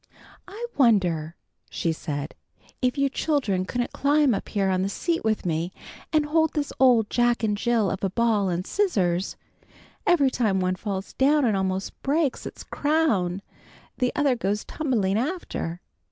"I wonder," she said, "if you children couldn't climb up here on the seat with me and hold this old Jack and Jill of a ball and scissors. Every time one falls down and almost breaks its crown, the other goes tumbling after.